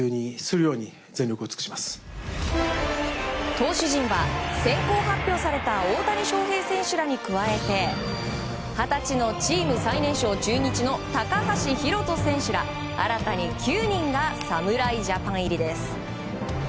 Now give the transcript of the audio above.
投手陣は先行発表された大谷翔平選手らに加えて二十歳のチーム最年少中日の高橋宏斗選手ら新たに９人が侍ジャパン入りです。